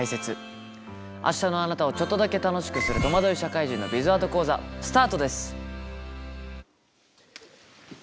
明日のあなたをちょっとだけ楽しくする「とまどい社会人のビズワード講座」スタートです。